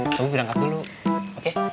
kamu berangkat dulu oke